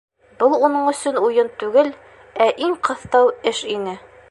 Был уның өсөн уйын түгел, ә иң ҡыҫтау эш ине.